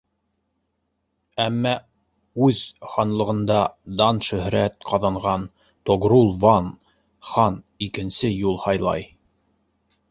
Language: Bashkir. Әммә үҙ ханлығында дан-шөһрәт ҡаҙанған Тогрул-Ван хан икенсе юл һайлай.